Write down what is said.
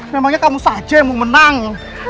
memangnya kamu saja yang mau menang